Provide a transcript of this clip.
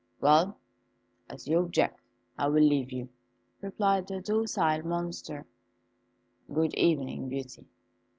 "Well, as you object, I will leave you," replied the docile Monster. "Good evening, Beauty."